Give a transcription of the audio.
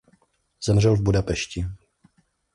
Zemřel v Budapešti.